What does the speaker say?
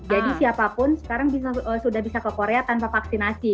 jadi siapapun sekarang sudah bisa ke korea tanpa vaksinasi